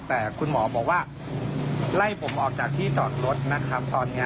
แต่คุณหมอบอกว่าไล่ผมออกจากที่จอดรถนะครับตอนนี้